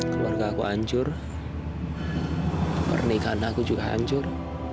keluarga aku hancur pernikahan aku juga hancur